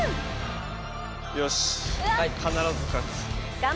よし必ず勝つ。